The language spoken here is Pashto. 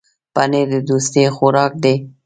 پنېر د دوستۍ خوراک دی.